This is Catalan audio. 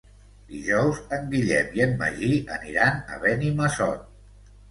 Dijous en Guillem i en Magí aniran a Benimassot.